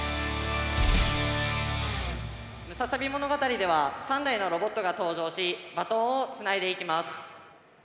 「ムササビ物語」では３台のロボットが登場しバトンをつないでいきます。